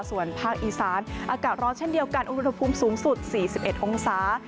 ส่วนภาคอีสานอากาศร้อนเช่นเดียวกันอุณหภูมิสูงสุด๔๑องศา